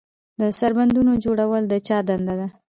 د سربندونو جوړول د چا دنده ده؟